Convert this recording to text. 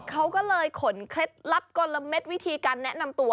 เขาก็เลยขนเคล็ดลับกลมวิธีการแนะนำตัว